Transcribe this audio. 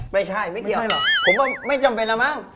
ไม่ใช่ไม่เกี่ยวผมว่าไม่จำเป็นรึมัง